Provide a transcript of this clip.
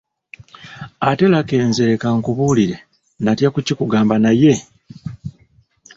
Ate Lucky nze leka nkubuulire natya kukikugamba naye…”.